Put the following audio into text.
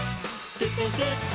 すってんすっく！」